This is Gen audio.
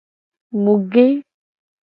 Mu ge.